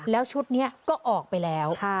แล้วชุดนี้ก็ออกไปแล้ว